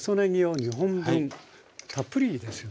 たっぷりですよね？